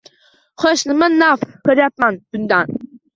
Xo`sh, nima naf ko`ryapmiz bundan